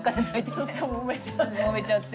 ちょっともめちゃって。